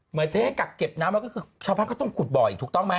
หมายถึงให้กักเก็บน้ำก็คือชาวภาพก็ต้องขุดบ่ออีกถูกต้องไหม